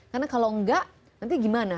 karena kalau tidak nanti bagaimana